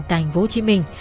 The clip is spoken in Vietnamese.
tành vô chí minh